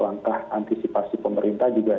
langkah antisipasi pemerintah juga